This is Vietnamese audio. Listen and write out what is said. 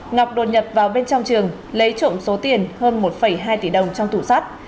ngọc đột nhập vào bên trong trường lấy trộm số tiền hơn một hai tỷ đồng trong thủ sắt